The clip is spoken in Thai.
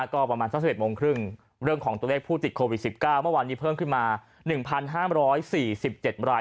ก็ประมาณสัก๑๑โมงครึ่งเรื่องของตัวเลขผู้ติดโควิด๑๙เมื่อวานนี้เพิ่มขึ้นมา๑๕๔๗ราย